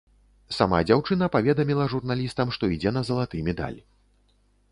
Сама дзяўчына паведаміла журналістам, што ідзе на залаты медаль.